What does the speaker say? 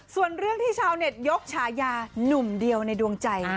ส่วนเรื่องที่ชาวเน็ตยกฉายานุ่มเดียวในดวงใจ